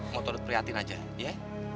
mau terprihatin aja ya